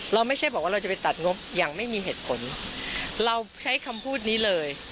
ไม่ใช่บอกว่าเราจะไปตัดงบอย่างไม่มีเหตุผลเราใช้คำพูดนี้เลย